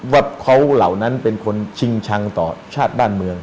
ว่าเขาเหล่านั้นเป็นคนชิงชังต่อชาติบ้านเมือง